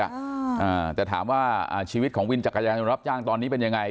อ่าแต่ถามว่าอ่าชีวิตของวินจักรยานยนต์รับจ้างตอนนี้เป็นยังไง